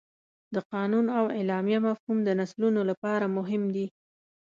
د قانون او اعلامیه مفهوم د نسلونو لپاره مهم دی.